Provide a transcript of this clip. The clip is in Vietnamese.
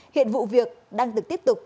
hiện vụ việc đang được tiếp tục